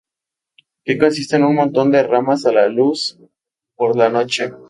Que consiste en un montón de ramas a la luz por la noche.